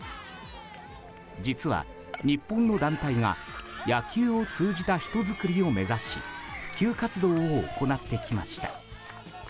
実は、日本の団体が野球を通じた人づくりを目指し普及活動を行ってきました。